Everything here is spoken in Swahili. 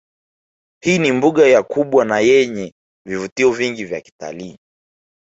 Hii ni mbuga ya kubwa nayenye vivutio vingi vya kitalii